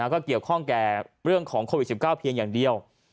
ก็เกี่ยวข้องแก่เรื่องของโควิด๑๙เพียงอย่างเดียว